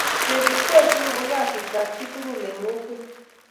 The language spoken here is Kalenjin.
kerip kei tugul ko kasit ab chi tugul eng kokwet